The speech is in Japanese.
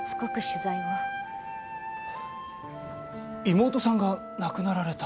妹さんが亡くなられた？